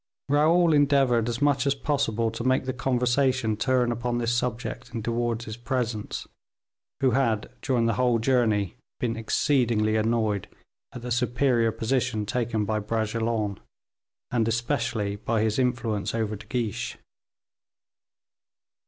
Raoul endeavored, as much as possible, to make the conversation turn upon this subject in De Wardes's presence, who had, during the whole journey, been exceedingly annoyed at the superior position taken by Bragelonne, and especially by his influence over De Guiche.